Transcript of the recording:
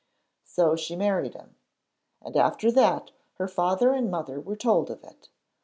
So she married him, and after that her father and mother were told of it.